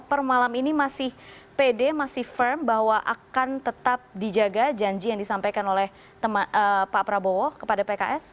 per malam ini masih pede masih firm bahwa akan tetap dijaga janji yang disampaikan oleh pak prabowo kepada pks